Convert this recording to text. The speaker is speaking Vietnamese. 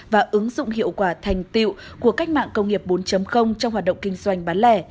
và ứng dụng hiệu quả thành tiệu của cách mạng công nghiệp bốn trong hoạt động kinh doanh bán lẻ